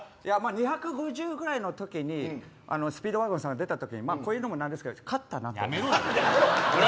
２５０ぐらいのときにスピードワゴンさん出たときにこういうのもなんですけど勝ったなって。